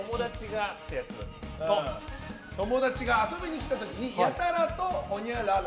友達が遊びに来た時にやたらとほにゃらら。